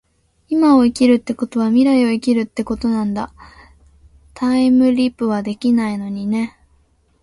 今を生きるってことは未来を生きているってことなんだ。タァイムリィプはできないのにね